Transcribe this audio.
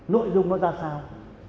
nội dung nó ra sao